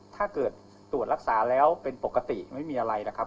ถ้าเกิดตรวจรักษาแล้วเป็นปกติไม่มีอะไรนะครับ